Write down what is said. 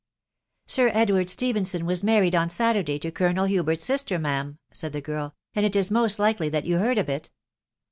<c Sir Edward Stephenson was married on Saturday to Colonel Hubert's sister, ma'am," said the girl, " and it is most likely that you heard of it."